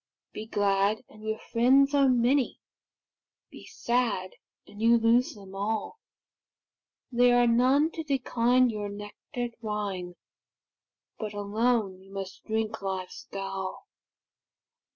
Be glad, and your friends are many; Be sad, and you lose them all; There are none to decline your nectar'd wine, But alone you must drink life's gall.